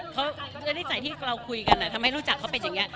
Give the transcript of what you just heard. เขานิสัยที่เราคุยกันทำให้รู้จักเขาเป็นอย่างนี้